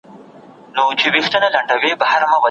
که شکر ولرې نو هیڅ غم دي مخه نه سي نیولای.